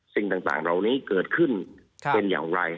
สิ่งต่างเหล่านี้เกิดขึ้นเป็นอย่างไร